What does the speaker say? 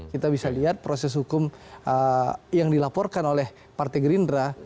kita bisa lihat proses hukum yang dilaporkan oleh partai gerindra